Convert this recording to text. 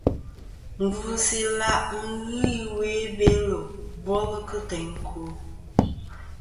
Ngvɨsɨ ila' sɨ ghɨ ɨwe i Belo bol kɨ teyn ɨkwo.